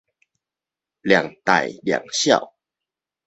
量大量小